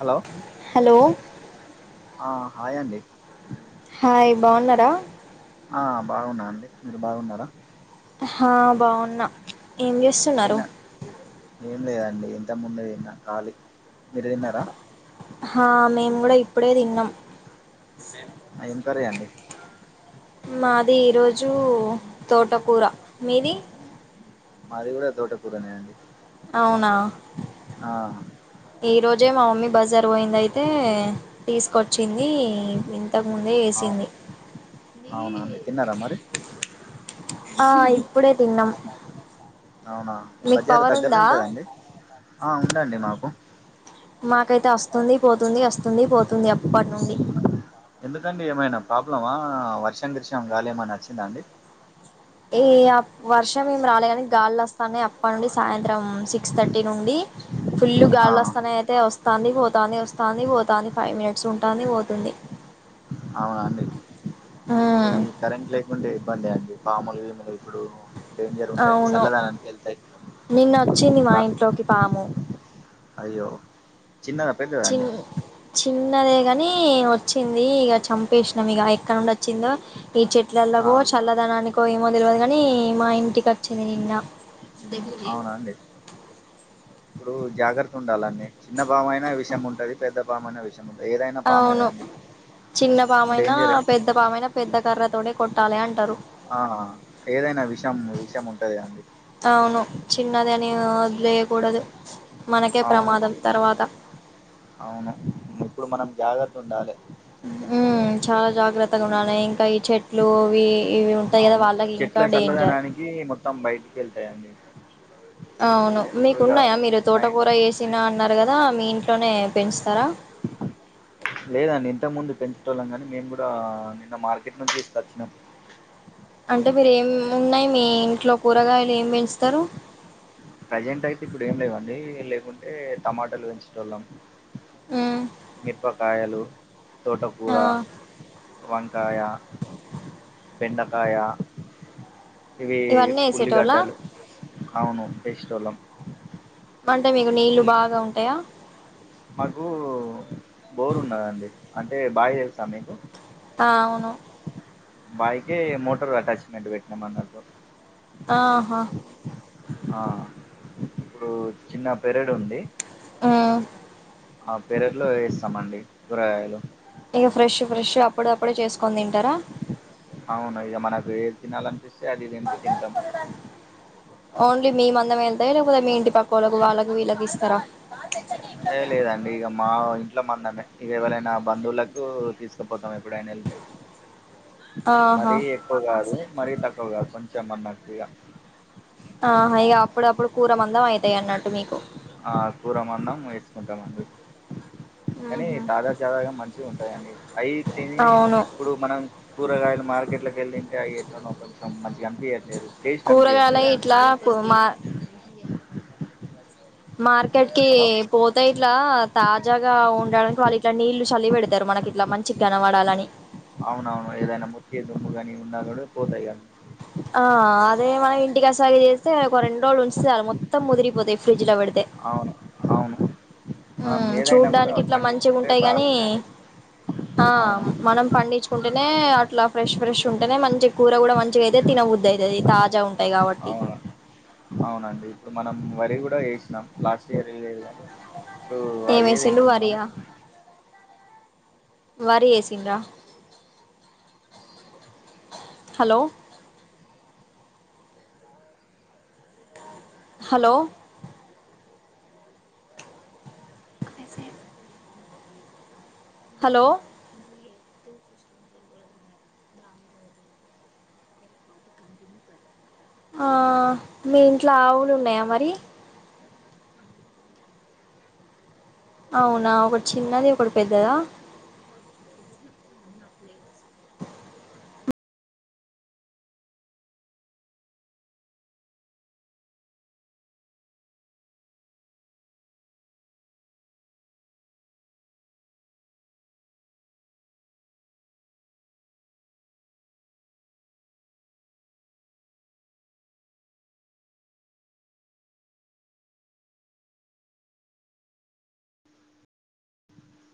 Hello hello ఆ hi అండి hi బావున్నారా బావున్నా అండి మీరు బావున్నారా ఆ బావున్నా ఏం చేస్తున్నారు తిన్నా ఏం లేదండి ఇంతకు ముందే తిన్నా ఖాళీ మిరుతిన్నారా హా మేము గూడా ఇప్పుడే తిన్నాం సరే అండి మాది ఈరోజు తోటకూర మీది మాది కూడా తోట కూరనే అండి అవునా ఆ ఈరోజే మా మమ్మీ బజార్ పోయింది అయితే తీసుకొచ్చింది ఇంతకుముందే అవు ఏసింది అవునా అండి తిన్నారా మరి ఆ ఇప్పుడే తిన్నాం అవునా మీకు బజార్ పవర్ దగ్గరనే ఉందా ఉంటదండి ఆ ఉందండి మాకు మాకైతే వస్తుంది పోతుంది వస్తుంది పోతుంది ఎప్పటి నుండి ఎందుకండి ఏమైనా ప్రాబ్లమా వర్షం గిర్షం గాలేమైనా వచ్చిందా అండి ఈ ఆ వర్షం ఏం రాలే గాని గాలిలు వస్తానే అప్పటి నుండి సాయంత్రం సిక్స్ థర్టీ నుండి ఫుల్లు ఆ గాలులు వస్తానే అయితే వస్త వస్తాంది పోతాంది వస్తాంది పోతాంది ఫైవ్ మినిట్స్ ఉంటాంది పోతాంది అవునాండి కరెంట్ లేకుండా ఇబ్బందె అండి పాములు గీములు ఇప్పుడు డేంజర్ ఉంటాయి అవును చల్లదానానికి వెళ్తాయి నిన్న వచ్చింది మా బా ఇంట్లోకి పాము అయ్యో చిన్నదా పెద్దదా చి అండి చిన్నదే ని వచ్చింది ఇక చంపేసినాం ఇక ఎక్కడ నుండి వచ్చిందో ఈ చెట్లలో ఆ కొ చల్లదనానికో ఏమో తెల్వదు కాని మా ఇంటిక చింది నిన్న అవునా అండి ఇప్పుడు జాగ్రత్త ఉండాలంన్నీ చిన్న పామయిన విషయం ఉంటది పెద్ద పామయిన విషం ఉంటది ఏదైనా పామే అవును కదండి చిన్న పామయినా డేంజరే పెద్ద పామయినా పెద్ద కర్ర తోనే కొట్ ట్టాలి అంటారు ఆ ఏదైనా విషం విషం ఉంటది అండి అవును చిన్నది అని వదిలేయకూడదు మనకే అవును ప్రమాదం తర్వాత అవును మనం జాగర్త ఉండాలె ర్త గుండాలె ఇట్ చెట్లు ఇవి ఇవి ఉంటాయి గదా అవును వాళ్ళకి ఇంకా చెట్ల డేంజర్ చల్లదనానికి మొత్తం బయటికి వెళ్తాయండి అవును ఇప్పుడు ఇగ మీకున్నాయా? మీరు నైట్ తోటకూర వేసినా అన్నారు గదా మీ ఇంట్లోనే పెంచుతారా? లేదండి ఇంతకు ముందు పెంచేటోళ్ళం గాని మేము గూడా నిన్న మార్కెట్ నుంచి తీస్కొచ్చినాం. అంటే మీరు ఏం ఉన్నాయి మీ ఇంట్లో కూరగాయలు ఏం పెంచుతారు? ప్రజెంట్ అయితే ఇప్పుడు ఏం లేవండి లేకుంటే టమాటాలు పెంచేటోళ్లం. ఉమ్ మిరపకాయలు తోటకూర ఆ వంకాయ బెండకాయ ఇవి ఇవన్నీ వేసేటోళ్ళ ఉల్లిగడ్డలు అవును వేసేటోళ్లం. అంటే మీకు నీళ్లు బాగా ఉంటాయా? మాకు బోరు ఉన్నదండి అంటే బాయి తెల్సా మీకు? అవును బాయికే మోటర్ అటాచ్మెంట్ పెట్టినాం అన్నట్టు. ఆహ ఆ ఇప్పుడు చిన్న పెరెడు ఉంది. ఆ ఆ పెరట్లో వేస్తామండి కూరగాయలు ఇగ ఫ్రెష్ ఫ్రెష్ గా అప్పుడు అప్పుడే చేసుకొని తింటారా? తినాలనిపిస్ ఓన్లీ మీ మంద మేన్ టాయా లేకపోతే మీ ఇంటి పక్కోళ్లకు వాళ్లకు వీళ్ళకి ఇస్తారా? ఏ లేదండి ఇగ మా ఇట్ల మందమే ఇగ ఎవలైనా బంధువులకు తీసుకుపోతాం ఎప్పుడైనా వెళ్తే ఆహా మరీ ఎక్కువ గాదు మరీ తక్కువ గాదు కొంచెం అన్నట్టిగా ఆహ ఇగ అప్పుడప్పుడు కూర మందం అయితాయి అన్నట్టు మీకు ఆ కూర మందం వేసుకుంటామండి. కాని తాజా తాజాగా మంచిగా ఉంటాయండి. అయి తిని అవును ఇప్పుడు మనం కూరగాయలు మార్ ర్కెట్లోకి వెళ్లింటే అయ్యి ఎట్లనో కొంచెం మంచిగా అనిపియ్యట్లేదు కూరగాయల ఇట్లా కు మా మార్కెట్ కి హలో పోతే ఇట్లా తాజాగా ఉండడానికి వాళ్ళి ట్ల నీళ్లు చల్లి పెడతారు మనకి ఇట్లా మంచిగా కనపడాలని అవునవును ఏదైనా మూతికి దుమ్ము గానీ ఏమన్నా ఉన్నా గూడా పోతాయి అని ఆ అదే మనం ఇంటి కసాగ చేస్తే ఒక రెండు రోజులు ఉంచితే చాలు మొత్తం ముదిరిపోతాయి ఫ్రిడ్జ్ లో పెడ్ అవును అవును మనం హుమ్ ఏదైనా కూడా చూడ్డానికి ఇట్లా మంచిగా పండించుకుంటే ఉంటాయి గాని బాగుండేది హా అవును మనం పండించుకుంటేనే అట్లా ఫ్రెష్ ఫ్రెష్ ఉంటేనే మంచిగా కూర గూడ మంచిగా అయితది తినబుద్ధి అయితది తాజాగా ఉంట్ అవును అవునండి ఇప్పుడు మనం వరి గూడ వేసినాం లాస్ట్ ఇయర్ వెయ్యలేదు గాని ఇప్పుడు ఏం అయ్యే వేసిండు దింటున్నాం. వరియా వరి వేసిండ్రా హలో హలో అ స హలో ఆ మీ ఇంట్లో ఆవులు ఉన్నాయా మరి? అవునా ఒకటి చిన్నది ఒకటి పెద్దదా?